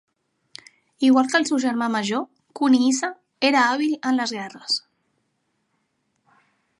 Igual que el seu germà major Kunihisa, era hàbil en les guerres.